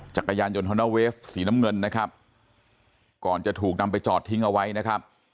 จักรยานยนต์ฮอนอเวฟสีน้ำเงินนะครับก่อนจะถูกนำไปจอดทิ้งเอาไว้นะครับ